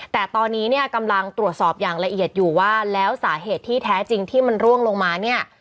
แต่ตอนนี้เนี่ยกำลังตรวจสอบอย่างละเอียดอยู่ว่าแล้วสาเหตุที่แท้จริงที่มันร่วงลงมาเนี่ย